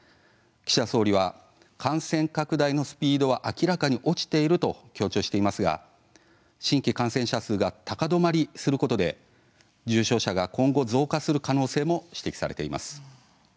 岸田総理は感染拡大のスピードは明らかに落ちていると強調していますが新規感染者数が高止まりすることで重症者が今後増加する可能性も指摘されています。